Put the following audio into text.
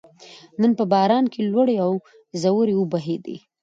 نن په باران کې لوړې او ځوړې وبهېدلې